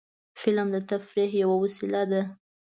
فلم د تفریح یوه وسیله ده